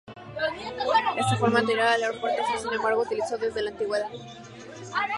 En su forma anterior, el puerto fue, sin embargo, utilizado desde la antigüedad.